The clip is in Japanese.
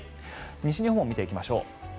西日本見ていきましょう。